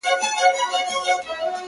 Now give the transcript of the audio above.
په ټول ښار کي مي دښمن دا یو قصاب دی،